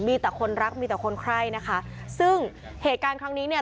มีแต่คนรักมีแต่คนไข้นะคะซึ่งเหตุการณ์ครั้งนี้เนี่ย